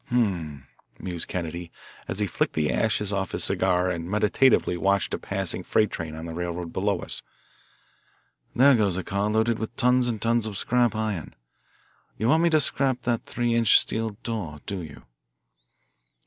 "H'm!" mused Kennedy as he flicked the ashes off his cigar and meditatively watched a passing freight train on the railroad below us. "There goes a car loaded with tons and tons of scrap iron. You want me to scrap that three inch steel door, do you?"